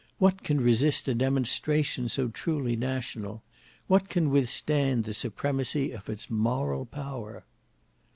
What can resist a demonstration so truly national! What can withstand the supremacy of its moral power!"